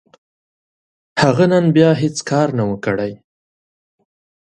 هغه نن بيا هيڅ کار نه و، کړی.